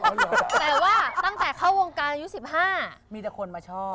แต่ว่าตั้งแต่เข้าวงการอายุ๑๕มีแต่คนมาชอบ